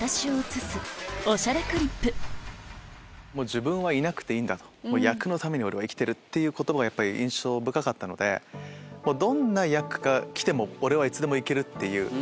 「自分はいなくていいんだ役のために俺は生きてる」。っていう言葉が印象深かったのでどんな役が来ても俺はいつでも行けるっていう。